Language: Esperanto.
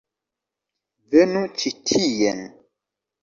Venu ĉi tien